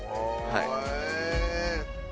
はい。